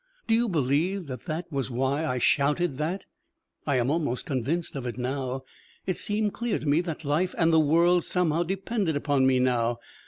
Do you believe that that was why I shouted that? I am almost convinced of it now. It seemed clear to me that life and the world somehow depended upon me now.